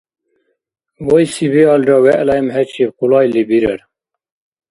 Вайси биалра, вегӀла эмхӀечиб къулайли бирар.